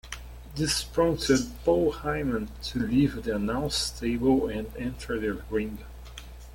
This prompted Paul Heyman to leave the announce table and enter the ring.